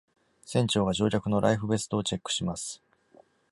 船長が乗客のライフベストをチェックします。